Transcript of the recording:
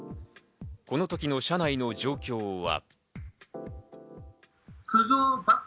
この時の車内の状況は。